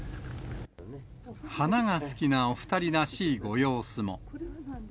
花が好きなお２人らしいご様子も。